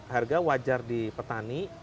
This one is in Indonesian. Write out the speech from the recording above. harga wajar di petani